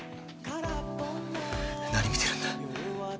何見てるんだ。